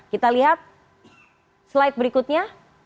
kita lihat slide berikutnya